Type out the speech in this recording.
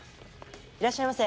いらっしゃいませ。